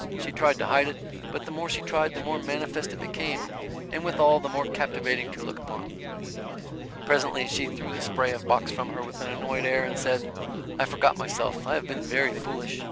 She tried to hide it, but the more she tried the more manifest it became and withal the more captivating to look upon. Presently she threw the spray of box from her with an annoyed air, and said: "I forgot myself. I have been very foolish.